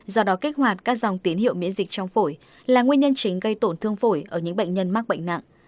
do đó kích hoạt các dòng tín hiệu miễn dịch trong phổi là nguyên nhân chính gây tổn thương phổi ở những bệnh nhân mắc bệnh nặng